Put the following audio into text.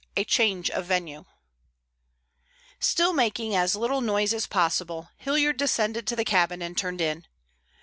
A CHANGE OF VENUE Still making as little noise as possible, Hilliard descended to the cabin and turned in.